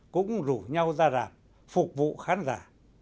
cũng rủ nhau ra rạp phục vụ khán giả